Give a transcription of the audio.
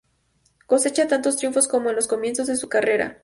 Cosecha tantos triunfos como en los comienzos de su carrera.